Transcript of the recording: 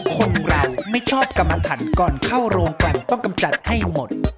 คนเราไม่ชอบกรรมฐานก่อนเข้าโรงกันต้องกำจัดให้หมด